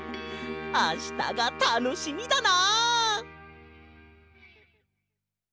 あしたがたのしみだな！